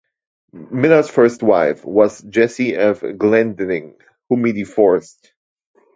Miller's first wife was Jessie F. Glendinning, whom he divorced.